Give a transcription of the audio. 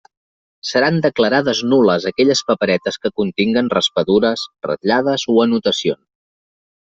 Seran declarades nul·les aquelles paperetes que continguen raspadures, ratllades o anotacions.